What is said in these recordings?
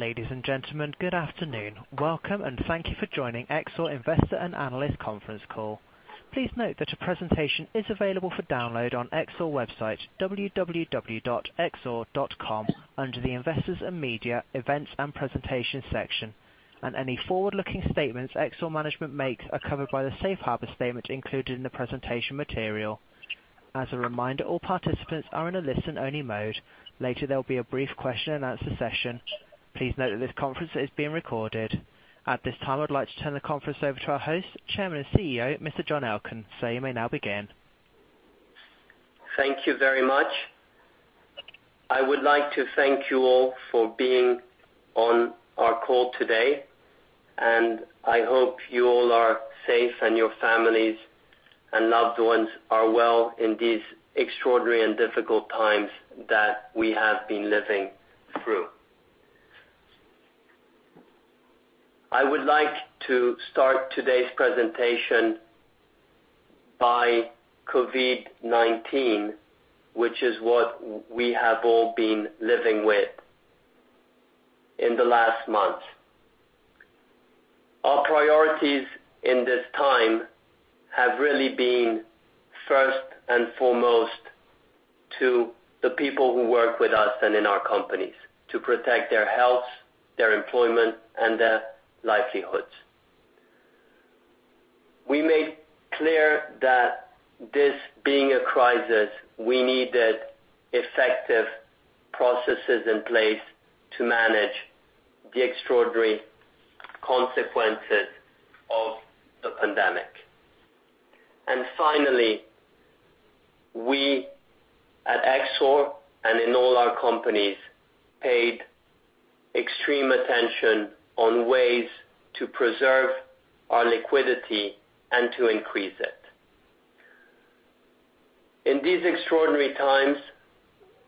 Ladies and gentlemen, good afternoon. Welcome and thank you for joining Exor Investor and Analyst Conference Call. Please note that a presentation is available for download on Exor website, www.exor.com, under the Investors and Media Events and Presentation Section. Any forward-looking statements Exor management makes are covered by the safe harbor statement included in the presentation material. As a reminder, all participants are in a listen-only mode. Later, there will be a brief question and answer session. Please note that this conference is being recorded. At this time, I'd like to turn the conference over to our host, Chairman and CEO, Mr. John Elkann. Sir, you may now begin. Thank you very much. I would like to thank you all for being on our call today. I hope you all are safe and your families and loved ones are well in these extraordinary and difficult times that we have been living through. I would like to start today's presentation by COVID-19, which is what we have all been living with in the last month. Our priorities in this time have really been, first and foremost, to the people who work with us and in our companies to protect their health, their employment, and their livelihoods. We made clear that this being a crisis, we needed effective processes in place to manage the extraordinary consequences of the pandemic. Finally, we at Exor and in all our companies, paid extreme attention on ways to preserve our liquidity and to increase it. In these extraordinary times,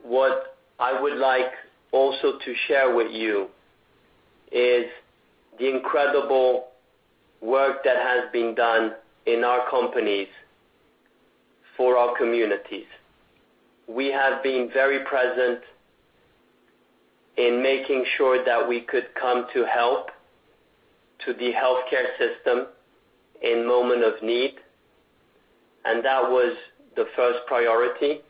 what I would like also to share with you is the incredible work that has been done in our companies for our communities. We have been very present in making sure that we could come to help to the healthcare system in moment of need, and that was the first priority,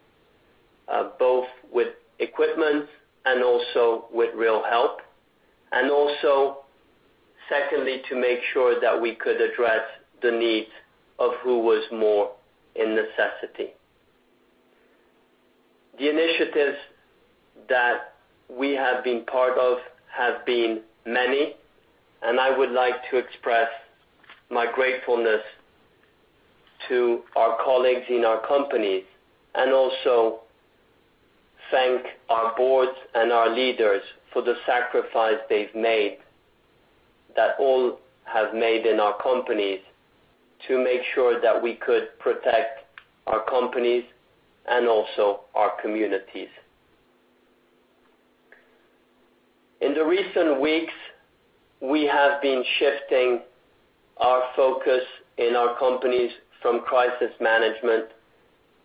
both with equipment and also with real help, and also, secondly, to make sure that we could address the needs of who was more in necessity. The initiatives that we have been part of have been many, and I would like to express my gratefulness to our colleagues in our companies and also thank our boards and our leaders for the sacrifice they've made, that all have made in our companies to make sure that we could protect our companies and also our communities. In the recent weeks, we have been shifting our focus in our companies from crisis management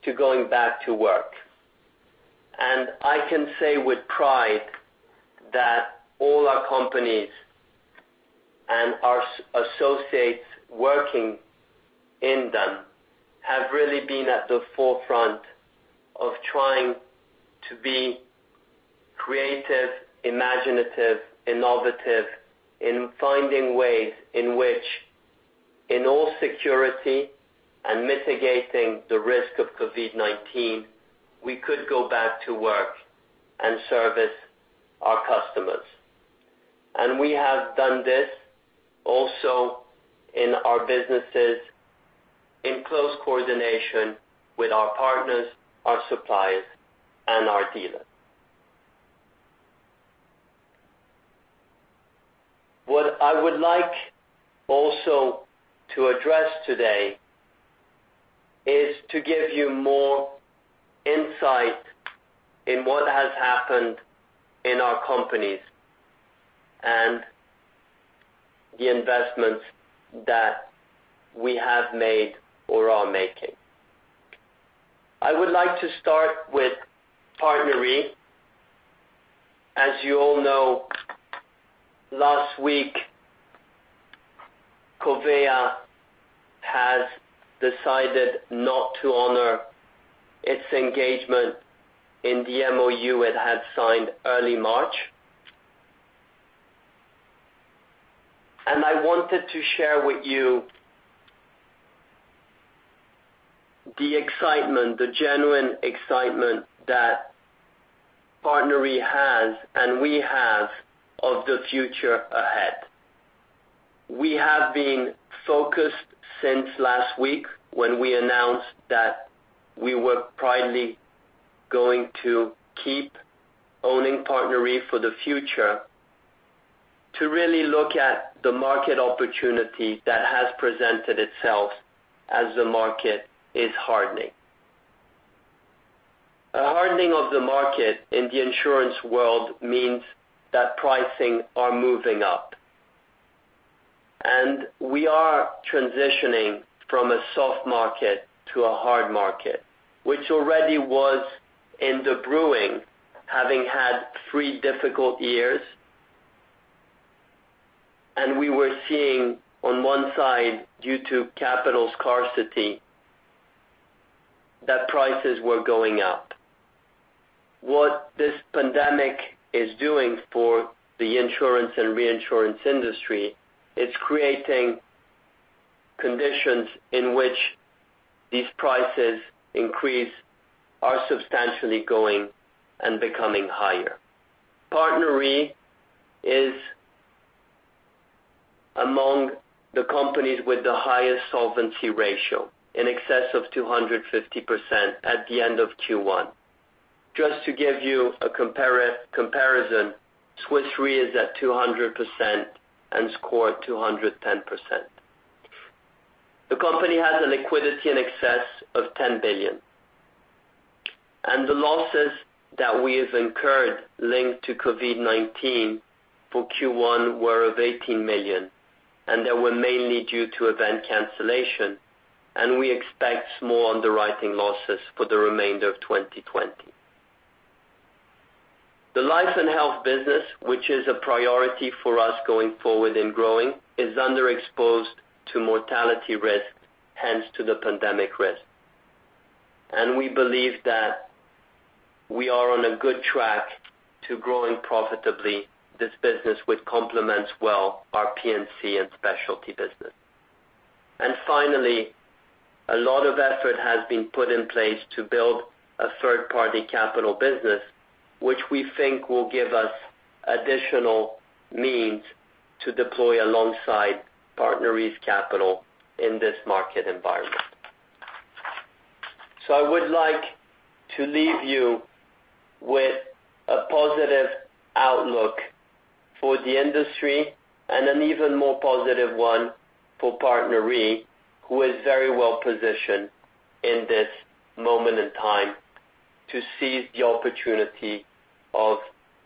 to going back to work. I can say with pride that all our companies and our associates working in them have really been at the forefront of trying to be creative, imaginative, innovative in finding ways in which in all security and mitigating the risk of COVID-19, we could go back to work and service our customers. We have done this also in our businesses in close coordination with our partners, our suppliers, and our dealers. What I would like also to address today is to give you more insight in what has happened in our companies and the investments that we have made or are making. I would like to start with PartnerRe. As you all know, last week, Covéa has decided not to honor its engagement in the MoU it had signed early March. I wanted to share with you the excitement, the genuine excitement that PartnerRe has and we have of the future ahead. We have been focused since last week when we announced that we were proudly going to keep owning PartnerRe for the future to really look at the market opportunity that has presented itself as the market is hardening. A hardening of the market in the insurance world means that pricing are moving up. We are transitioning from a soft market to a hard market, which already was in the brewing, having had three difficult years. We were seeing on one side, due to capital scarcity, that prices were going up. What this pandemic is doing for the insurance and reinsurance industry, it's creating conditions in which these prices increase are substantially going and becoming higher. PartnerRe is among the companies with the highest solvency ratio, in excess of 250% at the end of Q1. Just to give you a comparison, Swiss Re is at 200% and SCOR 210%. The company has a liquidity in excess of 10 billion. The losses that we have incurred linked to COVID-19 for Q1 were of 18 million, and they were mainly due to event cancellation, and we expect small underwriting losses for the remainder of 2020. The life and health business, which is a priority for us going forward in growing, is underexposed to mortality risk, hence to the pandemic risk. We believe that we are on a good track to growing profitably this business, which complements well our P&C and specialty business. Finally, a lot of effort has been put in place to build a third-party capital business, which we think will give us additional means to deploy alongside PartnerRe's capital in this market environment. I would like to leave you with a positive outlook for the industry, and an even more positive one for PartnerRe, who is very well-positioned in this moment in time to seize the opportunity of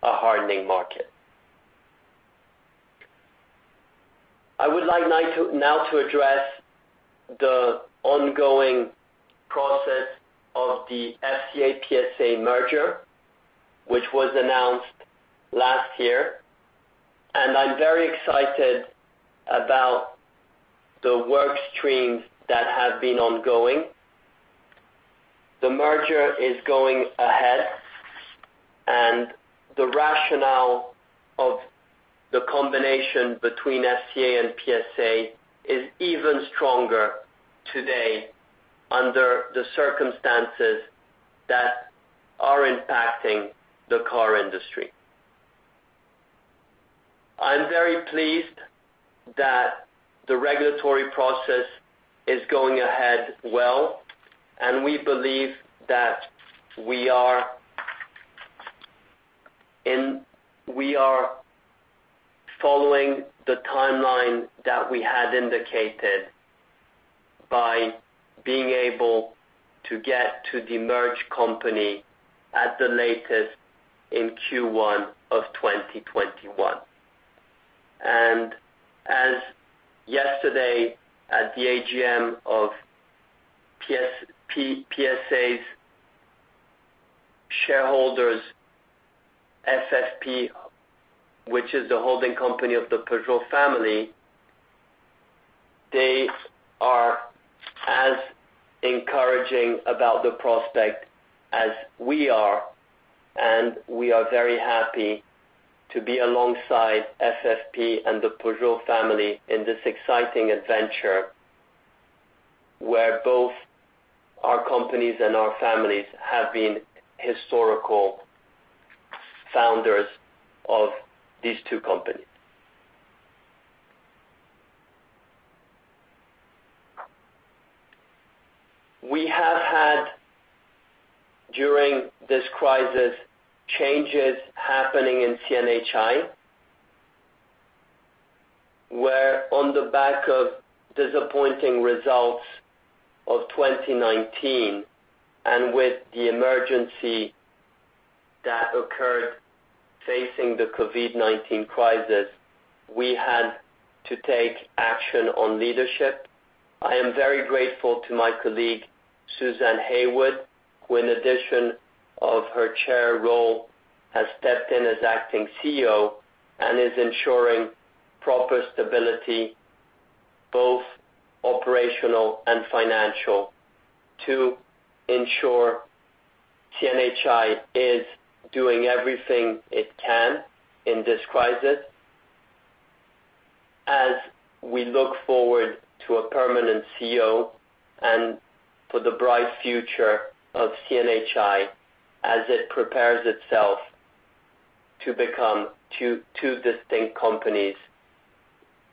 a hardening market. I would like now to address the ongoing process of the FCA PSA merger, which was announced last year, and I'm very excited about the work streams that have been ongoing. The merger is going ahead, and the rationale of the combination between FCA and PSA is even stronger today under the circumstances that are impacting the car industry. I'm very pleased that the regulatory process is going ahead well, and we believe that we are following the timeline that we had indicated by being able to get to the merged company at the latest in Q1 of 2021. As yesterday at the AGM of PSA's shareholders, FFP, which is the holding company of the Peugeot family, they are as encouraging about the prospect as we are. We are very happy to be alongside FFP and the Peugeot family in this exciting adventure, where both our companies and our families have been historical founders of these two companies. We have had, during this crisis, changes happening in CNH Industrial, where on the back of disappointing results of 2019, and with the emergency that occurred facing the COVID-19 crisis, we had to take action on leadership. I am very grateful to my colleague, Suzanne Heywood, who in addition of her chair role, has stepped in as acting CEO and is ensuring proper stability, both operational and financial, to ensure CNH Industrial is doing everything it can in this crisis. As we look forward to a permanent CEO and for the bright future of CNH Industrial as it prepares itself to become two distinct companies,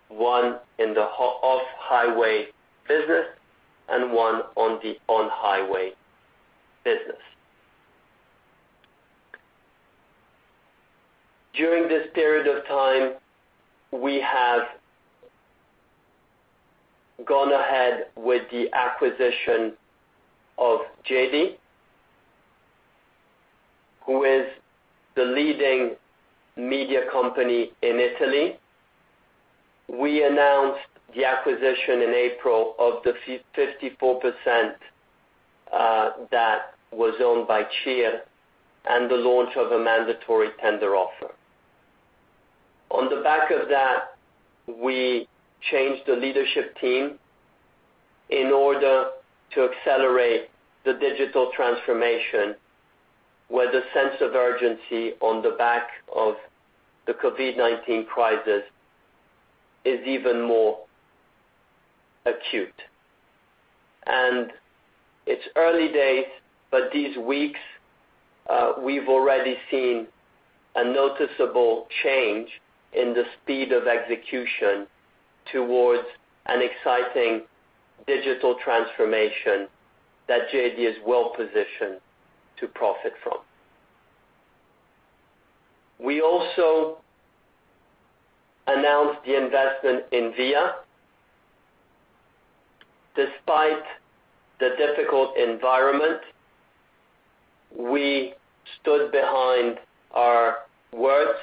one in the off-highway business and one on the on-highway business. During this period of time, we have gone ahead with the acquisition of GEDI, who is the leading media company in Italy. We announced the acquisition in April of the 54% that was owned by CIR, the launch of a mandatory tender offer. On the back of that, we changed the leadership team in order to accelerate the digital transformation, where the sense of urgency on the back of the COVID-19 crisis is even more acute. It's early days, but these weeks, we've already seen a noticeable change in the speed of execution towards an exciting digital transformation that GEDI is well-positioned to profit from. We also announced the investment in Via. Despite the difficult environment, we stood behind our words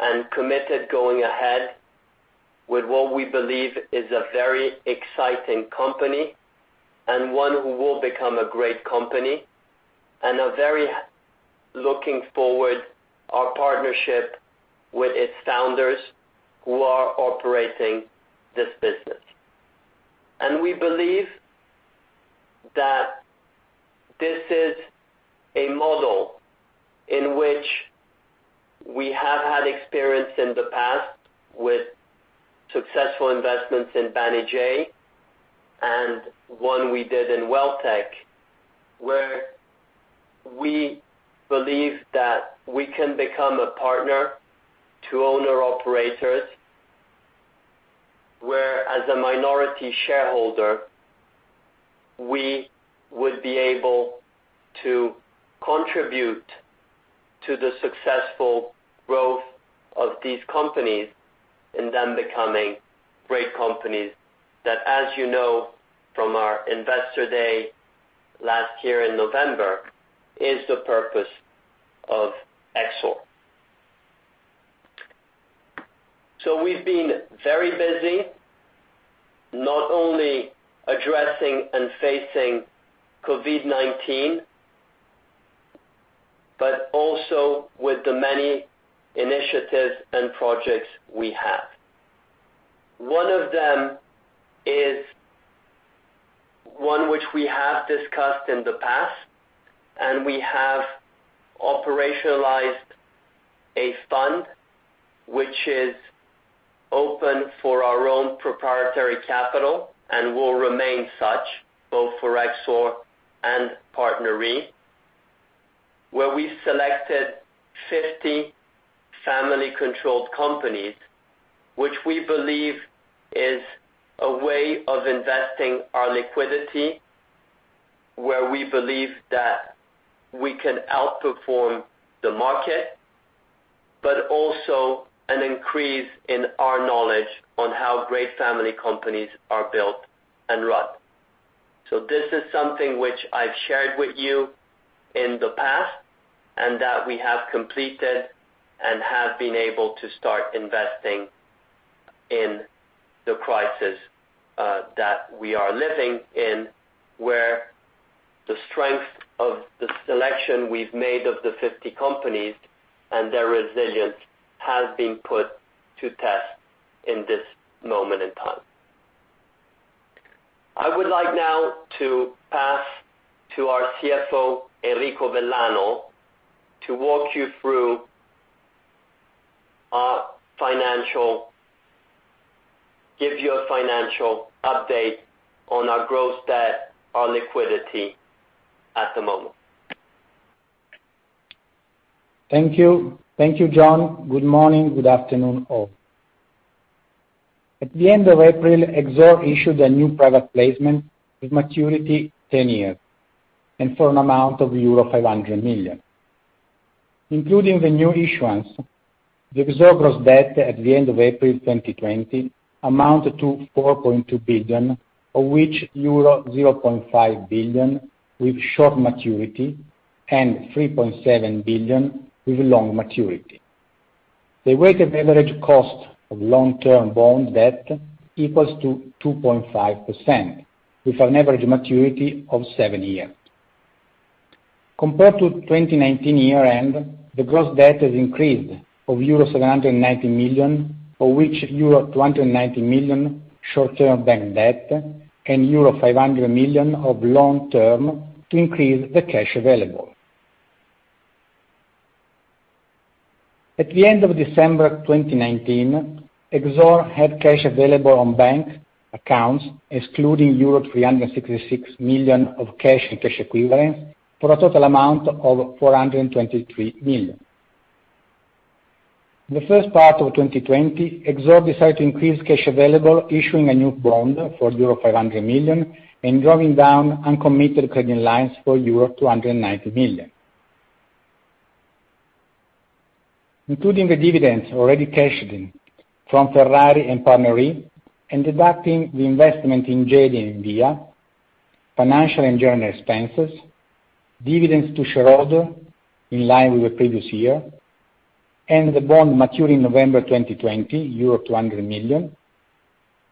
and committed going ahead with what we believe is a very exciting company, and one who will become a great company, and are very looking forward our partnership with its founders who are operating this business. We believe that this is a model in which we have had experience in the past with successful investments in Banijay and one we did in Welltec, where we believe that we can become a partner to owner operators, where as a minority shareholder, we would be able to contribute to the successful growth of these companies, and them becoming great companies that, as you know from our Investor Day last year in November, is the purpose of Exor. We've been very busy not only addressing and facing COVID-19, but also with the many initiatives and projects we have. One of them is one which we have discussed in the past, and we have operationalized a fund which is open for our own proprietary capital and will remain such, both for Exor and PartnerRe, where we selected 50 family-controlled companies, which we believe is a way of investing our liquidity, where we believe that we can outperform the market, but also an increase in our knowledge on how great family companies are built and run. This is something which I've shared with you in the past, and that we have completed and have been able to start investing in the crisis that we are living in, where the strength of the selection we've made of the 50 companies and their resilience has been put to test in this moment in time. I would like now to pass to our CFO, Enrico Vellano, to give you a financial update on our gross debt, our liquidity at the moment. Thank you. Thank you, John Elkann. Good morning, good afternoon all. At the end of April, Exor issued a new private placement with maturity 10 years, for an amount of euro 500 million. Including the new issuance, the Exor gross debt at the end of April 2020 amounted to 4.2 billion, of which euro 0.5 billion with short maturity and 3.7 billion with long maturity. The weighted average cost of long-term bond debt equals to 2.5%, with an average maturity of seven years. Compared to 2019 year-end, the gross debt has increased of euro 790 million, of which euro 290 million short-term bank debt and euro 500 million of long-term to increase the cash available. At the end of December 2019, Exor had cash available on bank accounts excluding euro 366 million of cash and cash equivalents for a total amount of 423 million. The first part of 2020, Exor decided to increase cash available issuing a new bond for euro 500 million and drawing down uncommitted credit lines for euro 290 million. Including the dividends already cashed in from Ferrari and PartnerRe, and deducting the investment in GEDI and Via, financial and general expenses, dividends to shareholders in line with the previous year, and the bond mature in November 2020, euro 200 million.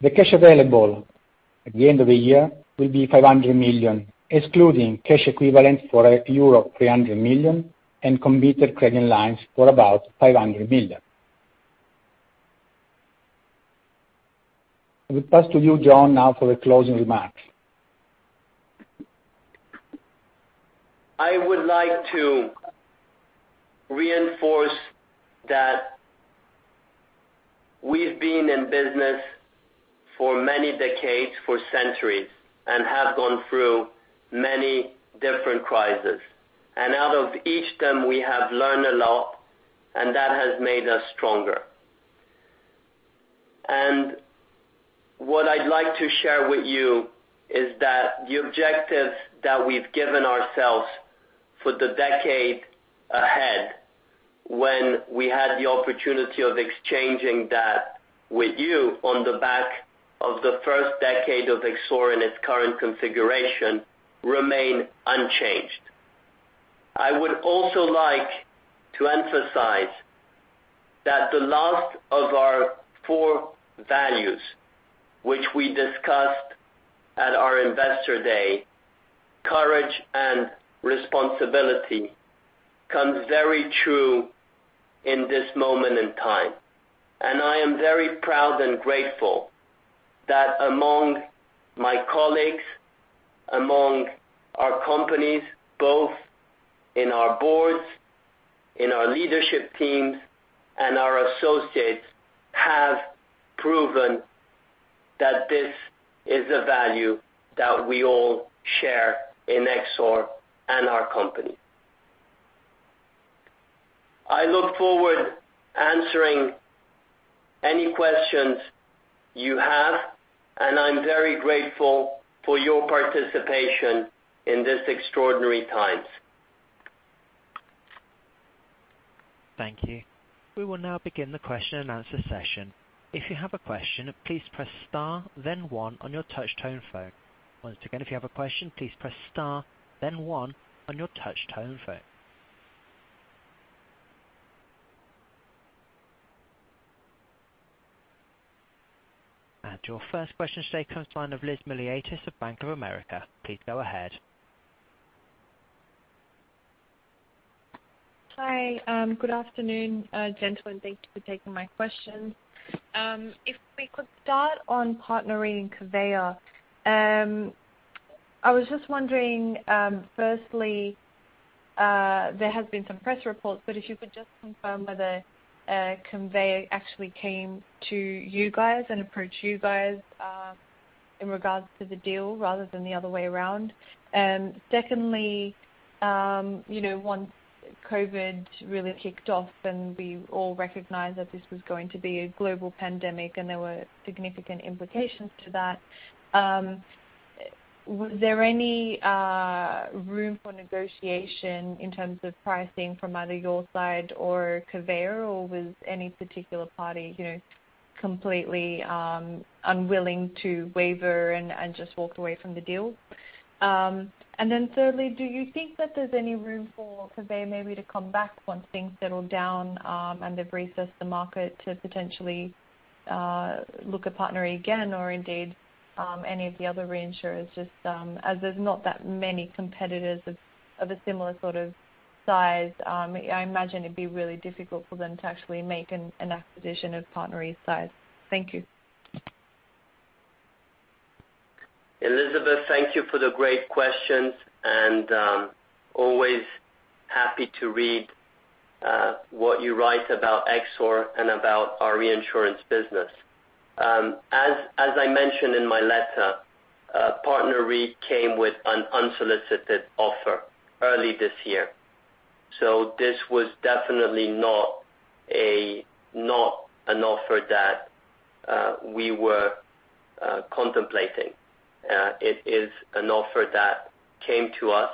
The cash available at the end of the year will be 500 million, excluding cash equivalent for a euro 300 million, and committed credit lines for about 500 million. I will pass to you, John, now for the closing remarks. I would like to reinforce that we've been in business for many decades, for centuries, and have gone through many different crises. Out of each of them, we have learned a lot, and that has made us stronger. What I'd like to share with you is that the objectives that we've given ourselves for the decade ahead, when we had the opportunity of exchanging that with you on the back of the first decade of Exor in its current configuration, remain unchanged. I would also like to emphasize that the last of our four values, which we discussed at our Investor Day, courage and responsibility, comes very true in this moment in time. I am very proud and grateful that among my colleagues, among our companies, both in our boards, in our leadership teams, and our associates, have proven that this is a value that we all share in Exor and our company. I look forward answering any questions you have, and I am very grateful for your participation in this extraordinary time. Thank you. We will now begin the question and answer session. If you have a question, please press star, then one on your touch-tone phone. Once again, if you have a question, please press star, then one on your touch-tone phone. Your first question today comes to line of Liz Miliatis of Bank of America. Please go ahead. Hi. Good afternoon, gentlemen. Thank you for taking my questions. If we could start on PartnerRe and Covéa. I was just wondering, firstly, there have been some press reports, but if you could just confirm whether Covéa actually came to you guys and approached you guys, in regards to the deal rather than the other way around. Secondly, once COVID really kicked off and we all recognized that this was going to be a global pandemic and there were significant implications to that, was there any room for negotiation in terms of pricing from either your side or Covéa, or was any particular party completely unwilling to waver and just walked away from the deal? Thirdly, do you think that there's any room for Covéa maybe to come back once things settle down, and they've reassessed the market to potentially look at PartnerRe again, or indeed, any of the other reinsurers, just as there's not that many competitors of a similar sort of size, I imagine it'd be really difficult for them to actually make an acquisition of PartnerRe's size? Thank you. Elizabeth, thank you for the great questions, always happy to read what you write about Exor and about our reinsurance business. As I mentioned in my letter, PartnerRe came with an unsolicited offer early this year. This was definitely not an offer that we were contemplating. It is an offer that came to us,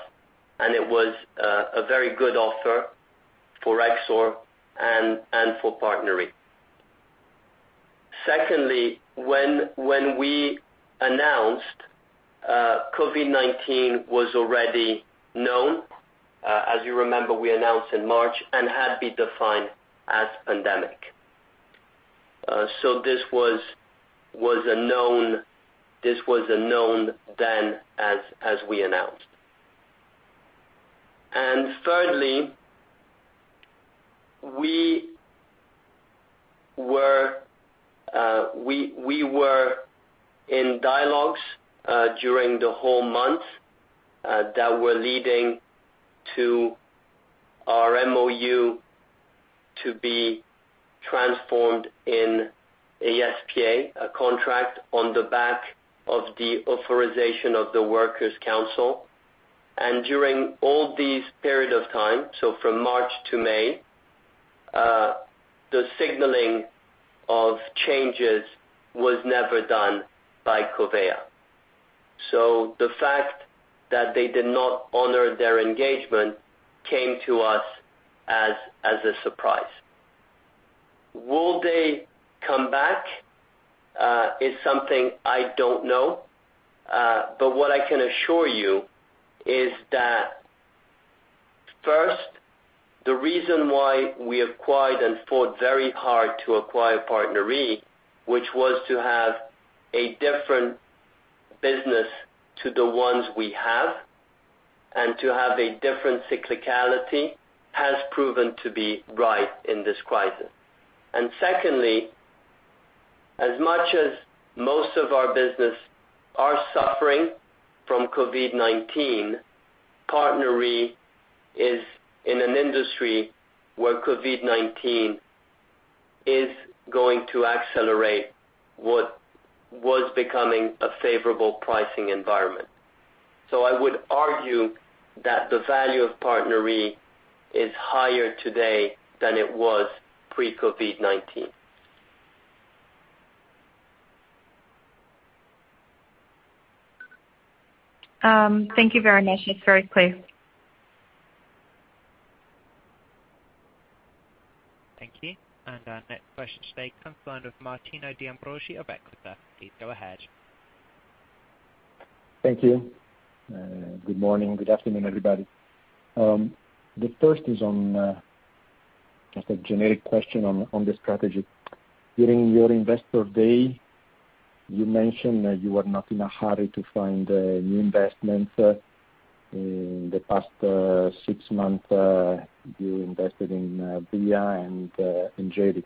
and it was a very good offer for Exor and for PartnerRe. Secondly, when we announced, COVID-19 was already known. As you remember, we announced in March and had been defined as pandemic. This was a known then as we announced. Thirdly, we were in dialogues during the whole month, that were leading to our MoU to be transformed in a SPA, a contract on the back of the authorization of the Works Council. During all this period of time, from March to May, the signaling of changes was never done by Covéa. The fact that they did not honor their engagement came to us as a surprise. Will they come back? It's something I don't know. What I can assure you is that first, the reason why we acquired and fought very hard to acquire PartnerRe, which was to have a different business to the ones we have, and to have a different cyclicality, has proven to be right in this crisis. Secondly, as much as most of our business are suffering from COVID-19, PartnerRe is in an industry where COVID-19 is going to accelerate what was becoming a favorable pricing environment. I would argue that the value of PartnerRe is higher today than it was pre-COVID-19. Thank you very much. It's very clear. Thank you. Our next question today comes from Martino D'Ambrosi of Equita. Please go ahead. Thank you. Good morning. Good afternoon, everybody. The first is on just a generic question on the strategy. During your Investor Day, you mentioned that you are not in a hurry to find new investments. In the past six months, you invested in Via and in GEDI,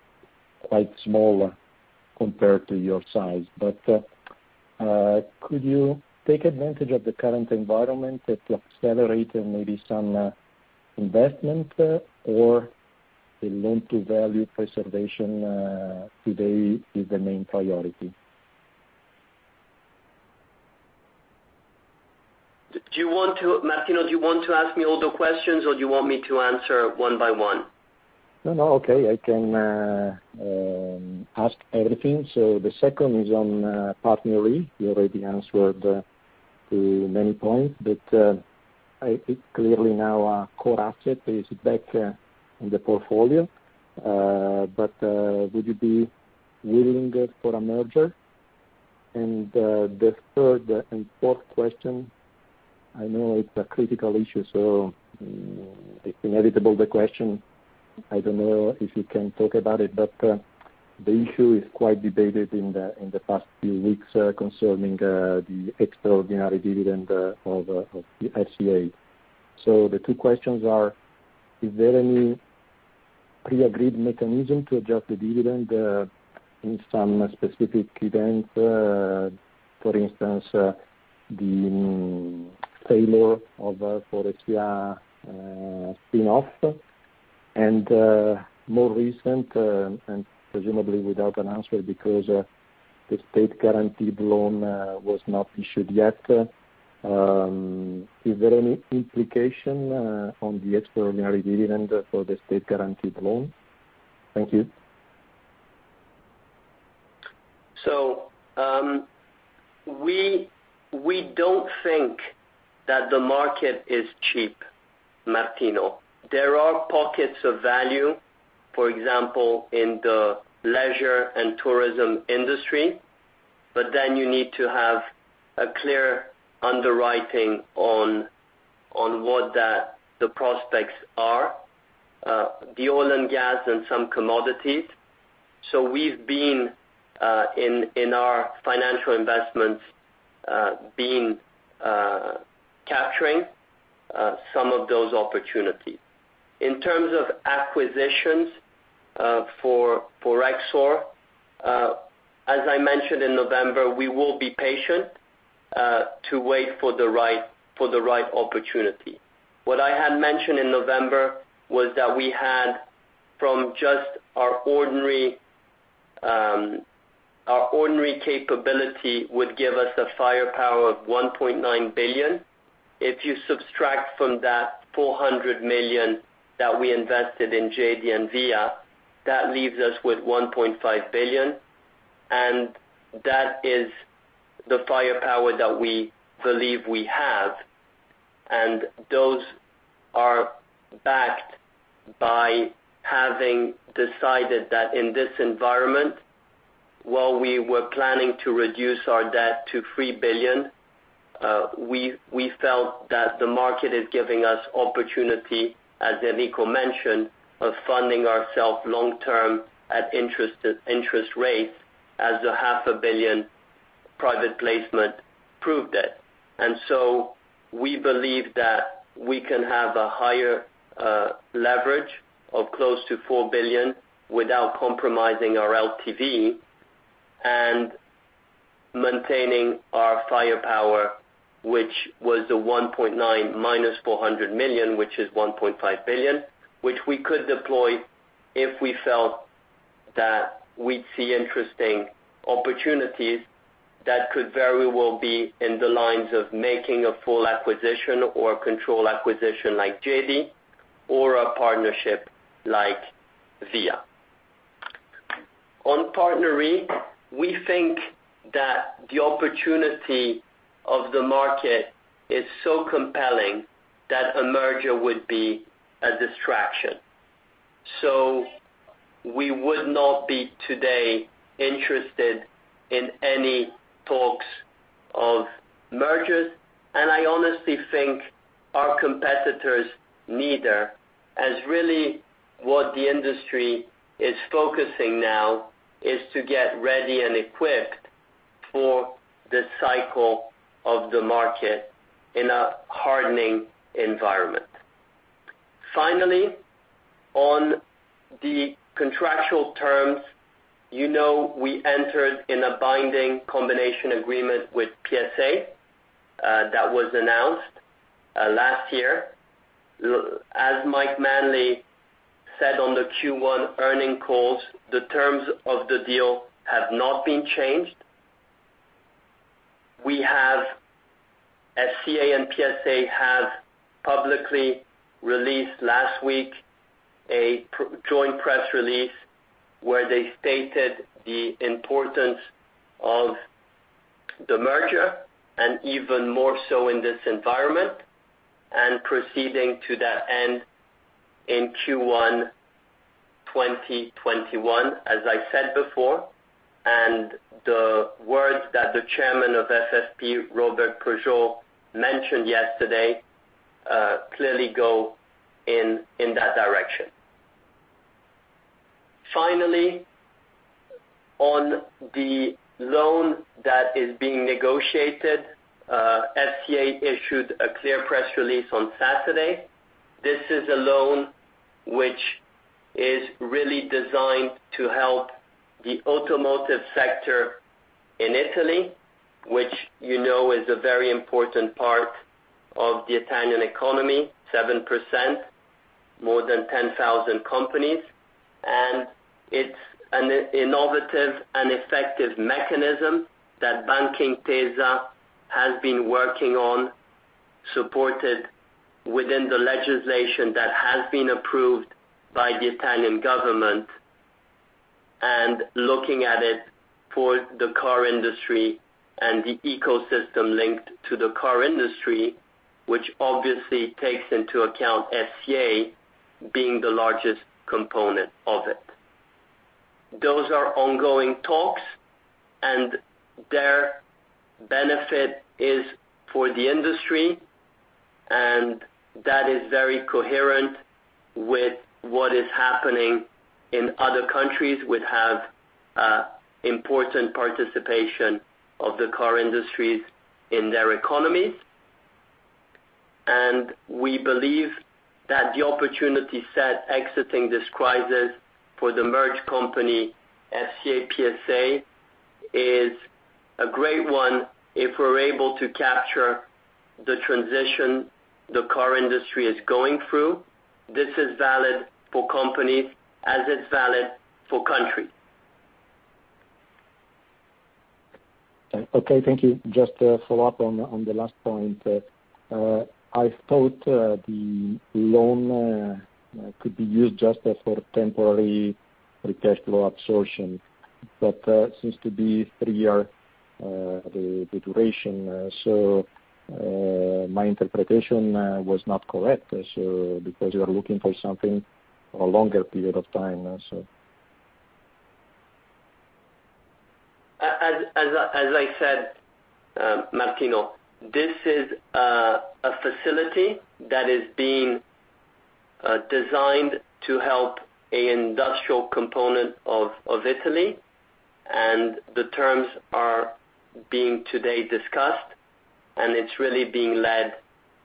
quite small compared to your size. Could you take advantage of the current environment to accelerate maybe some investment or the loan to value preservation today is the main priority? Martino, do you want to ask me all the questions or do you want to me to answer one by one? I can ask everything. The second is on PartnerRe. You already answered many points, it clearly now a core asset is back in the portfolio. Would you be willing for a merger? The third and fourth question, I know it's a critical issue, it's inevitable the question. I don't know if you can talk about it, the issue is quite debated in the past few weeks concerning the extraordinary dividend of the FCA. The two questions are, is there any pre-agreed mechanism to adjust the dividend in some specific event, for instance, the failure of Faurecia spin-off? More recent, presumably without an answer because the state-guaranteed loan was not issued yet, is there any implication on the extraordinary dividend for the state-guaranteed loan? Thank you. We don't think that the market is cheap, Martino. There are pockets of value, for example, in the leisure and tourism industry, but then you need to have a clear underwriting on what the prospects are. The oil and gas and some commodities. We've been, in our financial investments, been capturing some of those opportunities. In terms of acquisitions for Exor, as I mentioned in November, we will be patient to wait for the right opportunity. What I had mentioned in November was that we had from just our ordinary capability would give us a firepower of $1.9 billion. If you subtract from that $400 million that we invested in GEDI and Via, that leaves us with $1.5 billion, and that is the firepower that we believe we have. Those are backed by having decided that in this environment, while we were planning to reduce our debt to 3 billion, we felt that the market is giving us opportunity, as Enrico mentioned, of funding ourselves long-term at interest rates as a EUR half a billion private placement proved it. We believe that we can have a higher leverage of close to 4 billion without compromising our LTV and maintaining our firepower, which was the $1.9 billion minus $400 million, which is $1.5 billion, which we could deploy if we felt that we'd see interesting opportunities that could very well be in the lines of making a full acquisition or a control acquisition like GEDI or a partnership like Via or PartnerRe, we think that the opportunity of the market is so compelling that a merger would be a distraction. We would not be, today, interested in any talks of mergers, and I honestly think our competitors neither, as really what the industry is focusing now is to get ready and equipped for the cycle of the market in a hardening environment. Finally, on the contractual terms, you know we entered in a binding combination agreement with PSA that was announced last year. As Mike Manley said on the Q1 earning calls, the terms of the deal have not been changed. FCA and PSA have publicly released last week a joint press release where they stated the importance of the merger, and even more so in this environment, and proceeding to that end in Q1 2021, as I said before. The words that the Chairman of FFP, Robert Peugeot, mentioned yesterday, clearly go in that direction. Finally, on the loan that is being negotiated, FCA issued a clear press release on Saturday. This is a loan which is really designed to help the automotive sector in Italy, which you know is a very important part of the Italian economy, 7%, more than 10,000 companies. It's an innovative and effective mechanism that Banca Intesa has been working on, supported within the legislation that has been approved by the Italian government, and looking at it for the car industry and the ecosystem linked to the car industry, which obviously takes into account FCA being the largest component of it. Those are ongoing talks, and their benefit is for the industry, and that is very coherent with what is happening in other countries which have important participation of the car industries in their economies. We believe that the opportunity set exiting this crisis for the merged company, FCA PSA, is a great one if we're able to capture the transition the car industry is going through. This is valid for companies as it's valid for countries. Okay. Thank you. Just to follow up on the last point. I thought the loan could be used just for temporary cash flow absorption, seems to be three year, the duration. My interpretation was not correct, because you are looking for something a longer period of time. As I said, Martino, this is a facility that is being designed to help a industrial component of Italy. The terms are being today discussed. It's really being led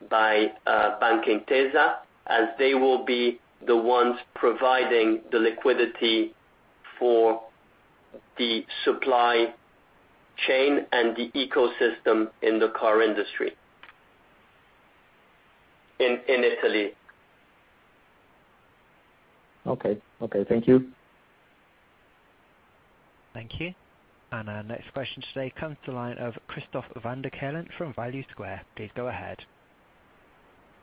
by Banca Intesa, as they will be the ones providing the liquidity for the supply chain and the ecosystem in the car industry in Italy. Okay. Thank you. Thank you. Our next question today comes to the line of Christophe van der Kelen from Value Square. Please go ahead.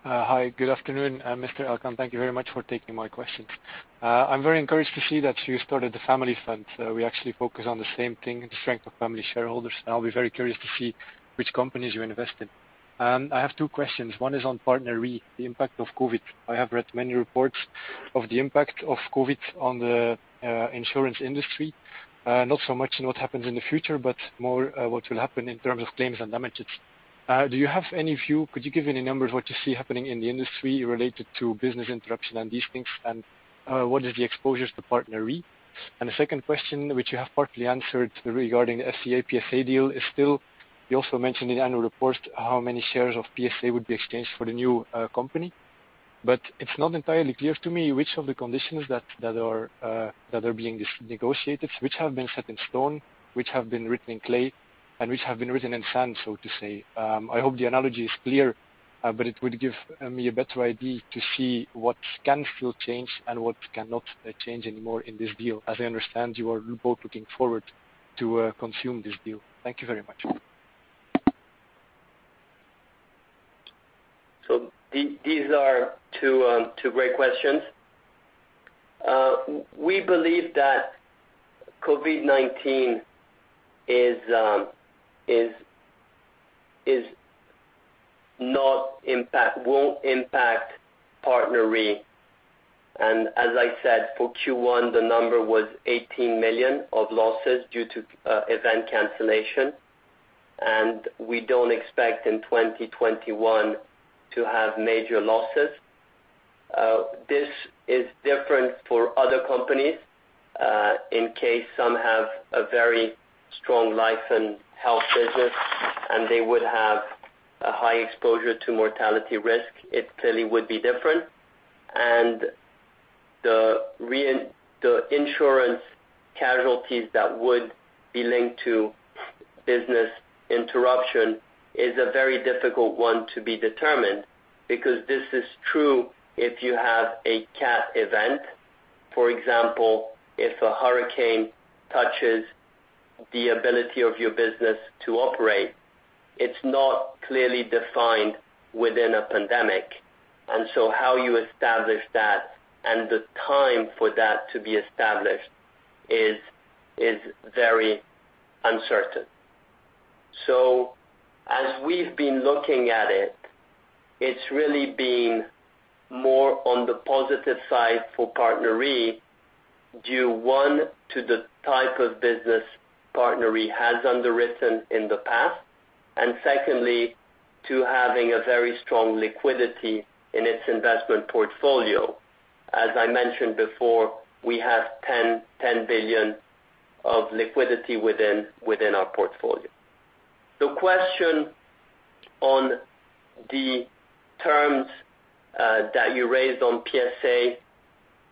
Hi. Good afternoon, Mr. Elkann. Thank you very much for taking my questions. I'm very encouraged to see that you started the family fund. We actually focus on the same thing, the strength of family shareholders, and I'll be very curious to see which companies you invest in. I have two questions. One is on PartnerRe, the impact of Covid. I have read many reports of the impact of Covid on the insurance industry. Not so much in what happens in the future, but more what will happen in terms of claims and damages. Do you have any view? Could you give any numbers what you see happening in the industry related to business interruption and these things, and what is the exposures to PartnerRe? The second question, which you have partly answered regarding the FCA PSA deal, is still, you also mentioned in the annual report how many shares of PSA would be exchanged for the new company. It's not entirely clear to me which of the conditions that are being negotiated, which have been set in stone, which have been written in clay, and which have been written in sand, so to say. I hope the analogy is clear, but it would give me a better idea to see what can still change and what cannot change anymore in this deal. As I understand, you are both looking forward to consume this deal. Thank you very much. These are two great questions. We believe that COVID-19 won't impact PartnerRe. As I said, for Q1, the number was 18 million of losses due to event cancellation. We don't expect in 2021 to have major losses. This is different for other companies. In case some have a very strong life and health business, and they would have a high exposure to mortality risk, it clearly would be different. The insurance casualties that would be linked to business interruption is a very difficult one to be determined, because this is true if you have a cat event. For example, if a hurricane touches the ability of your business to operate, it's not clearly defined within a pandemic. How you establish that and the time for that to be established is very uncertain. As we've been looking at it's really been more on the positive side for PartnerRe due, one, to the type of business PartnerRe has underwritten in the past, and secondly, to having a very strong liquidity in its investment portfolio. As I mentioned before, we have 10 billion of liquidity within our portfolio. The question on the terms that you raised on PSA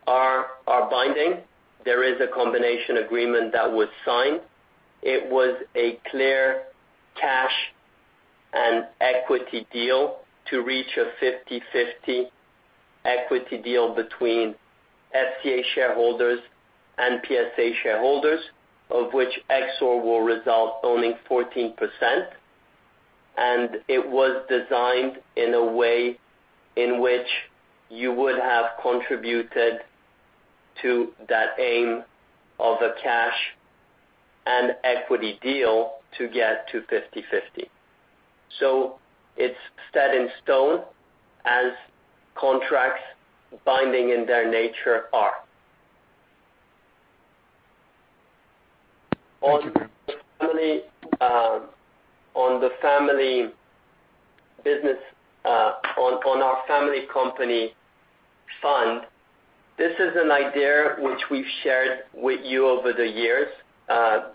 are binding. There is a combination agreement that was signed. It was a clear cash and equity deal to reach a 50/50 equity deal between FCA shareholders and PSA shareholders, of which Exor will result owning 14%. It was designed in a way in which you would have contributed to that aim of a cash and equity deal to get to 50/50. It's set in stone as contracts binding in their nature are. Thank you. On the family business, on our family company fund, this is an idea which we've shared with you over the years.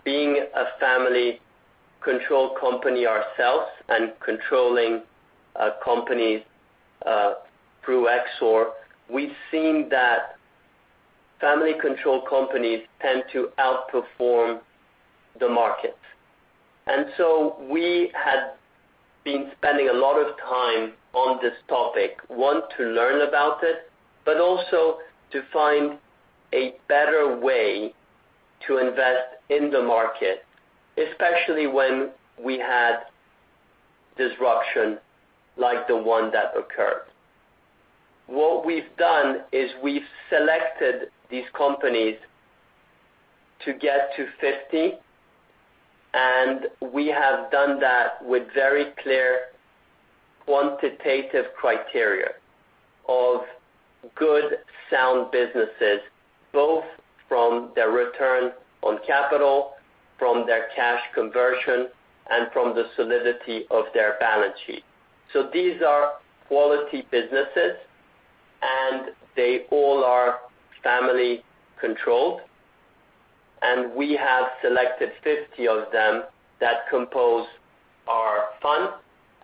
Being a family-controlled company ourselves and controlling companies through Exor, we've seen that family-controlled companies tend to outperform the market. We had been spending a lot of time on this topic. One, to learn about it, but also to find a better way to invest in the market, especially when we had disruption like the one that occurred. What we've done is we've selected these companies to get to 50, and we have done that with very clear quantitative criteria of good sound businesses, both from their return on capital, from their cash conversion, and from the solidity of their balance sheet. These are quality businesses, and they all are family-controlled. We have selected 50 of them that compose our fund,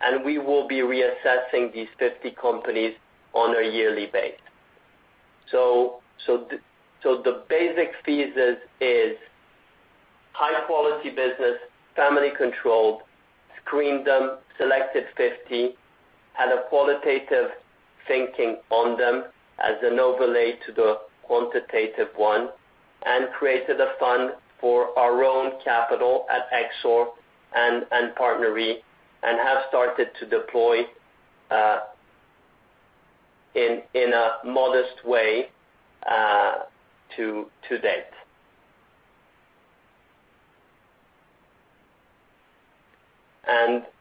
and we will be reassessing these 50 companies on a yearly base. The basic thesis is high-quality business, family-controlled, screened them, selected 50, had a qualitative thinking on them as an overlay to the quantitative one, and created a fund for our own capital at Exor and PartnerRe, and have started to deploy in a modest way to date.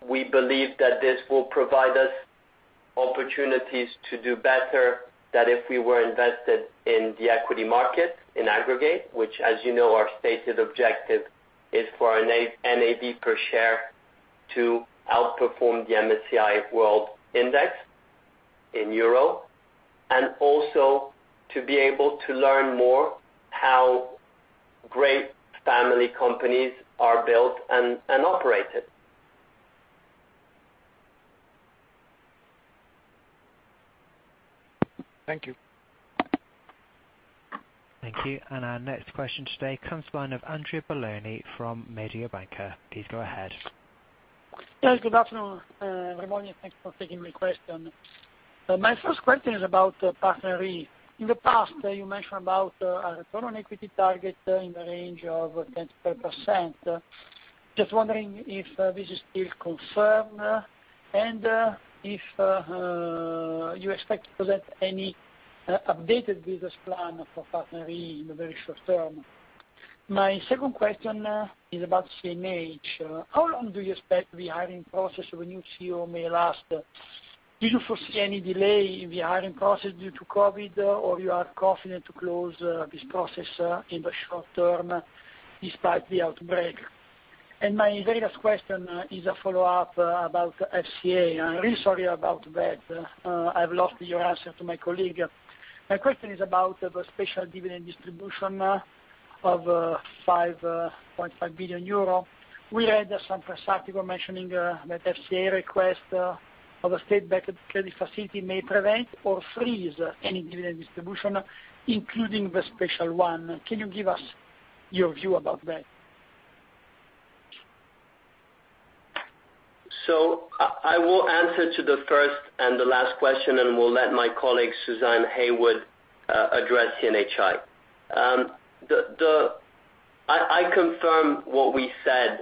We believe that this will provide us opportunities to do better than if we were invested in the equity market in aggregate, which, as you know, our stated objective is for our NAV per share to outperform the MSCI World Index in EUR, and also to be able to learn more how great family companies are built and operated. Thank you. Thank you. Our next question today comes from one of Andrea Balloni from Mediobanca. Please go ahead. Yeah, good afternoon, [Ramon]. Thanks for taking my question. My first question is about PartnerRe. In the past, you mentioned about a return on equity target in the range of 10%. Just wondering if this is still confirmed and if you expect to present any updated business plan for PartnerRe in the very short term. My second question is about CNH. How long do you expect the hiring process of a new CEO may last? Do you foresee any delay in the hiring process due to COVID, or you are confident to close this process in the short term despite the outbreak? My very last question is a follow-up about FCA. I'm really sorry about that. I've lost your answer to my colleague. My question is about the special dividend distribution of 5.5 billion euro. We read some press article mentioning that FCA request of a state-backed credit facility may prevent or freeze any dividend distribution, including the special one. Can you give us your view about that? I will answer to the first and the last question, and will let my colleague, Suzanne Heywood, address CNHI. I confirm what we said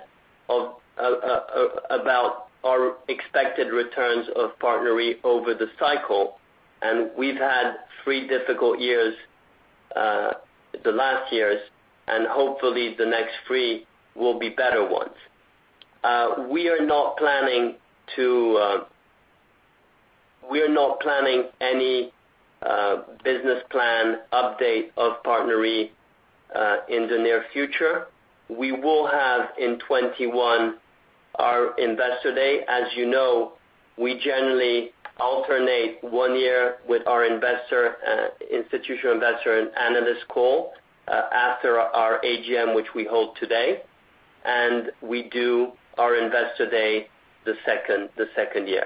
about our expected returns of PartnerRe over the cycle, and we've had three difficult years, the last years, and hopefully the next three will be better ones. We are not planning any business plan update of PartnerRe in the near future. We will have in 2021 our Investor Day. As you know, we generally alternate one year with our institutional investor and analyst call, after our AGM, which we hold today. We do our Investor Day the second year.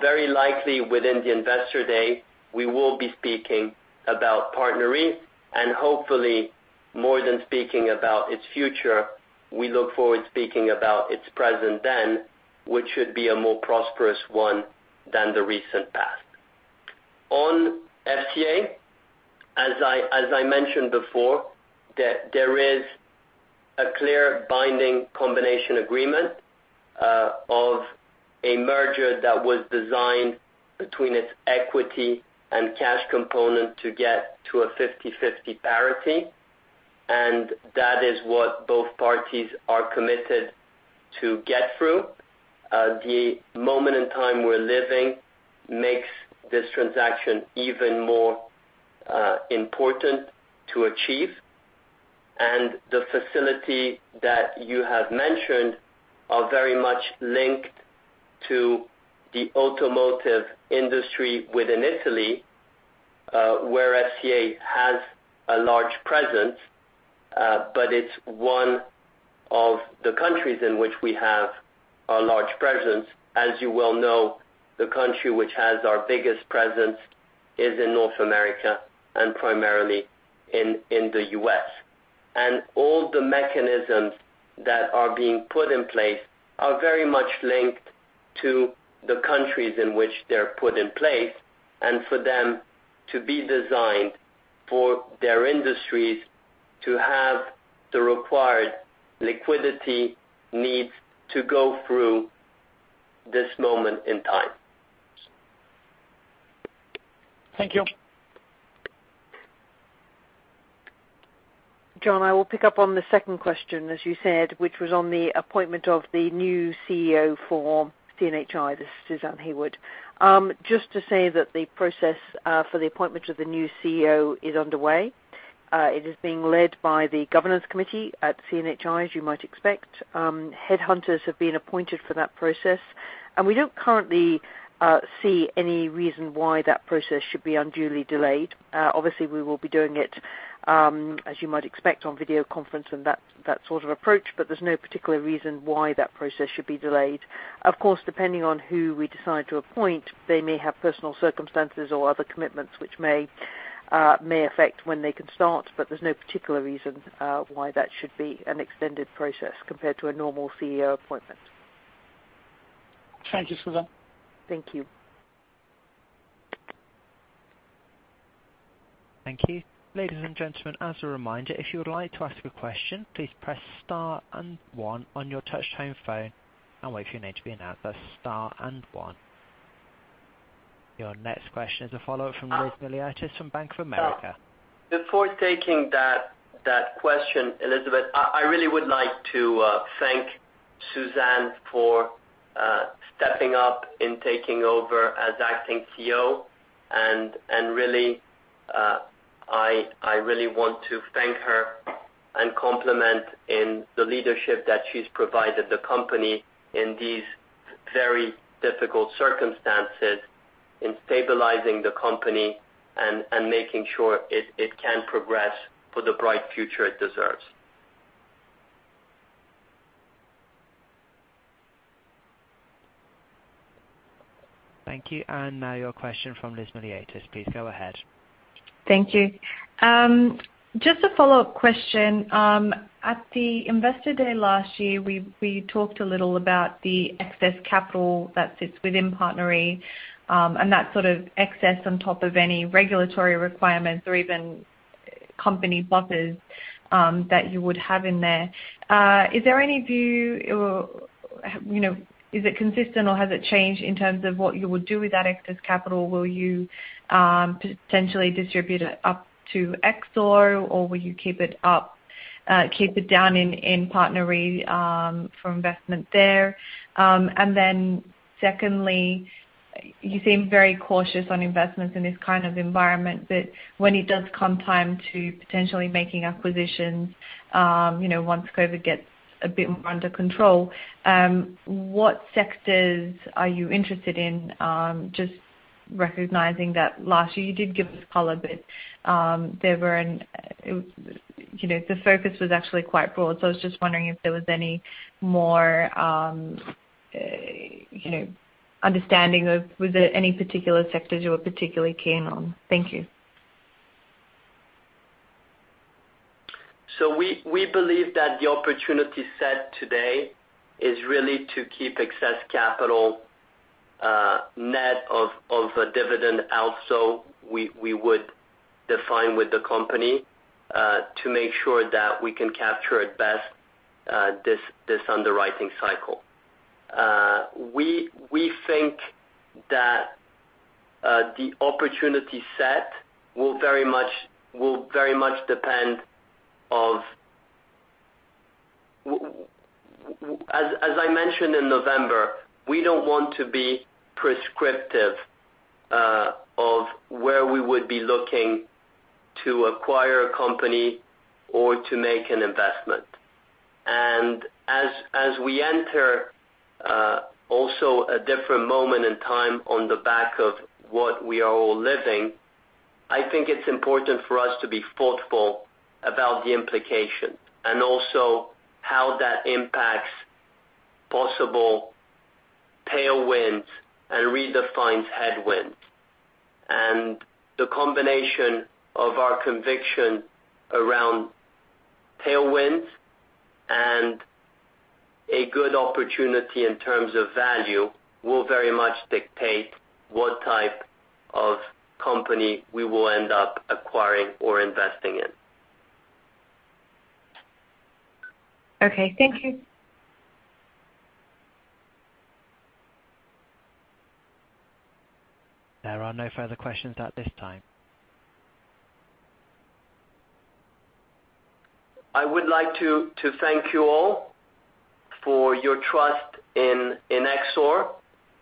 Very likely within the Investor Day, we will be speaking about PartnerRe. Hopefully, more than speaking about its future, we look forward to speaking about its present then, which should be a more prosperous one than the recent past. On FCA, as I mentioned before, there is a clear binding combination agreement of a merger that was designed between its equity and cash component to get to a 50/50 parity. That is what both parties are committed to get through. The moment in time we're living makes this transaction even more important to achieve. The facility that you have mentioned are very much linked to the automotive industry within Italy, where FCA has a large presence, but it's one of the countries in which we have a large presence. As you well know, the country which has our biggest presence is in North America, primarily in the U.S. All the mechanisms that are being put in place are very much linked to the countries in which they're put in place, and for them to be designed for their industries to have the required liquidity needs to go through this moment in time. Thank you. John, I will pick up on the second question, as you said, which was on the appointment of the new CEO for CNH. This is Suzanne Heywood. Just to say that the process for the appointment of the new CEO is underway. It is being led by the governance committee at CNH, as you might expect. Headhunters have been appointed for that process, and we don't currently see any reason why that process should be unduly delayed. Obviously, we will be doing it, as you might expect, on video conference and that sort of approach, but there's no particular reason why that process should be delayed. Of course, depending on who we decide to appoint, they may have personal circumstances or other commitments which may affect when they can start. There's no particular reason why that should be an extended process compared to a normal CEO appointment. Thank you, Suzanne. Thank you. Thank you. Ladies and gentlemen, as a reminder, if you would like to ask a question, please press star and one on your touchtone phone and wait for your name to be announced. That's star and one. Your next question is a follow-up from Liz Miliatis from Bank of America. Before taking that question, Elizabeth, I really would like to thank Suzanne for stepping up in taking over as Acting CEO. I really want to thank her and compliment in the leadership that she's provided the company in these very difficult circumstances, in stabilizing the company and making sure it can progress for the bright future it deserves. Thank you. Now your question from Liz Miliatis. Please go ahead. Thank you. Just a follow-up question. At the Investor Day last year, we talked a little about the excess capital that sits within PartnerRe, and that sort of excess on top of any regulatory requirements or even company buffers that you would have in there. Is it consistent or has it changed in terms of what you would do with that excess capital? Will you potentially distribute it up to Exor, or will you keep it down in PartnerRe for investment there? Secondly, you seem very cautious on investments in this kind of environment, but when it does come time to potentially making acquisitions, once COVID gets a bit more under control, what sectors are you interested in? Just recognizing that last year you did give us color, but the focus was actually quite broad. I was just wondering if there was any more understanding of, was there any particular sectors you were particularly keen on? Thank you. We believe that the opportunity set today is really to keep excess capital net of a dividend also, we would define with the company, to make sure that we can capture at best this underwriting cycle. We think that the opportunity set will very much depend on As I mentioned in November, we don't want to be prescriptive of where we would be looking to acquire a company or to make an investment. As we enter also a different moment in time on the back of what we are all living, I think it's important for us to be thoughtful about the implications, and also how that impacts possible tailwinds and redefines headwinds. The combination of our conviction around tailwinds and a good opportunity in terms of value will very much dictate what type of company we will end up acquiring or investing in. Okay. Thank you. There are no further questions at this time. I would like to thank you all for your trust in Exor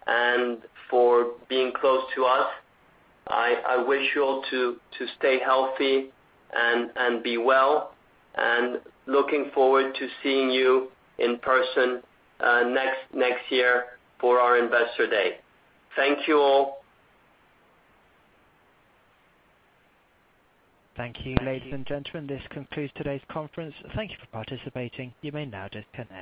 and for being close to us. I wish you all to stay healthy and be well, and looking forward to seeing you in person next year for our Investor Day. Thank you all. Thank you. Ladies and gentlemen, this concludes today's conference. Thank you for participating. You may now disconnect.